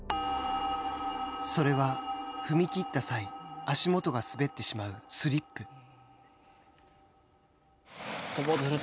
それは、踏み切った際足元が滑ってしまうスリップ。